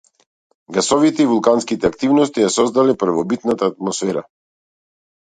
Гасовите и вулканските активности ја создале првобитната атмосфера.